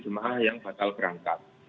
jum'ah yang bakal berangkat